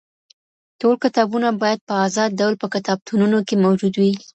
ټول کتابونه بايد په ازاد ډول په کتابتونونو کي موجود وي.